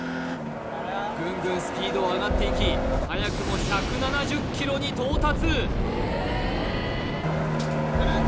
ぐんぐんスピードは上がっていき早くも１７０ｋｍに到達！